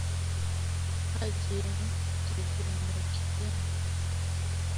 Haji eng togee ne kiyam